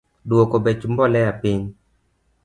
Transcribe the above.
Oduok bech mbolea piny